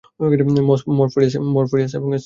Morpheus এবং Agent Smith.